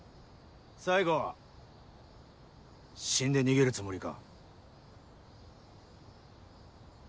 最後は死んで逃げるつもりか。